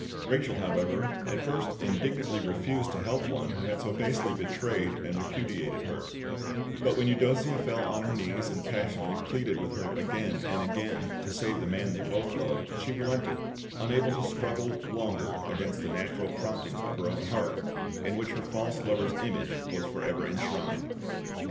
Rachel, however, at first indignantly refused to help one who had so basely betrayed and repudiated her; but when Eudossia fell on her knees, and passionately pleaded with her again and again to save the man they both loved, she relented, unable to struggle longer against the natural promptings of her own heart, in which her false lover's image was for ever enshrined.